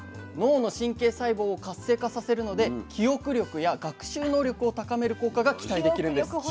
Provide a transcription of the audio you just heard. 脳の神経細胞を活性化させるので記憶力や学習能力を高める効果が期待できるんです。